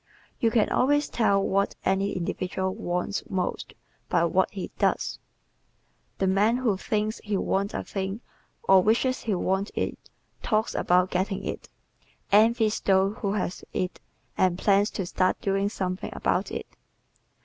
You can always tell what any individual WANTS MOST by what he DOES. The man who thinks he wants a thing or wishes he wanted it talks about getting it, envies those who have it and plans to start doing something about it.